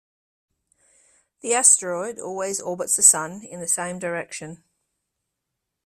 The asteroid always orbits the Sun in the same direction.